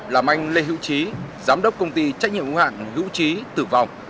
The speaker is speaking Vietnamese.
làm anh lê hữu trí giám đốc công ty trách nhiệm công an hữu trí tử vong